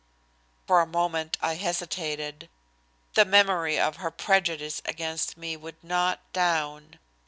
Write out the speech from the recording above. For a moment I hesitated. The memory of her prejudice against me would not down.